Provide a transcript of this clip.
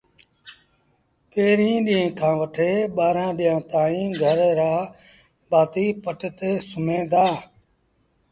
پيريݩ ڏيݩهݩ کآݩ وٺي ٻآرآݩ ڏيݩهآݩ تائيٚݩ گھر رآ ڀآتيٚ پٽ تي سُوميݩ دآ